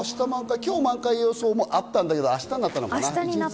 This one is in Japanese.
今日、満開予想もあったんですけれども、明日になったのかな？